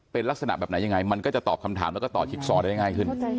เป็นลักษณะแบบไหนยังไงมันก็จะตอบคำถามแล้วก็ต่อชิกซอได้ง่ายขึ้น